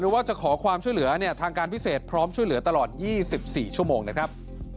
ว่าจะขอความช่วยเหลือเนี่ยทางการพิเศษพร้อมช่วยเหลือตลอด๒๔ชั่วโมงนะครับ